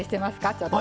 ちょっと。